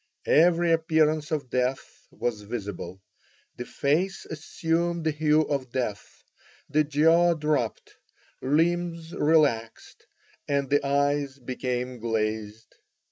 Every appearance of death was visible; the face assumed the hue of death, the jaw dropped, limbs relaxed, and the eyes became glazed.